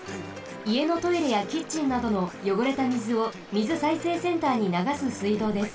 いえのトイレやキッチンなどのよごれたみずをみずさいせいセンターにながすすいどうです。